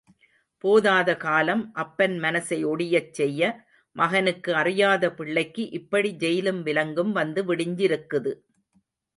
போதாத காலம், அப்பன் மனசை ஒடியச் செய்ய, மகனுக்கு அறியாத பிள்ளைக்கு இப்படி ஜெயிலும் விலங்கும் வந்து விடிஞ்சிருக்குது.